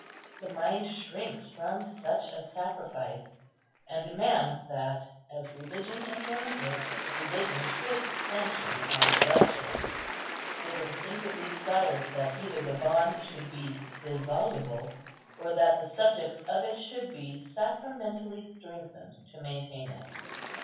The mind shrinks from such a sacrifice, and demands that, as religion enjoins it, religion should sanction and bless it. It instinctively desires that either the bond should be dissoluble, or that the subjects of it should be sacramentally strengthened to maintain it.